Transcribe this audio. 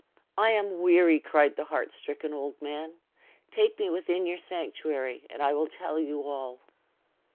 "I am weary," cried the heart stricken old man; "take me within your sanctuary, and I will tell you all."